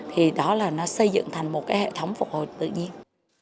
thì đó là nó xây dựng thành một cái hệ thống phục hồi tự nhiên